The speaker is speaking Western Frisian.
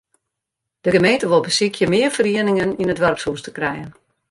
De gemeente wol besykje mear ferieningen yn it doarpshûs te krijen.